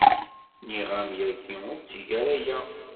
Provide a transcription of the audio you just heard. Nniɣ-am yagi ur tteg ara aya.